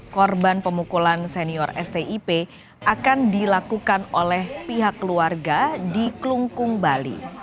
korban pemukulan senior stip akan dilakukan oleh pihak keluarga di kelungkung bali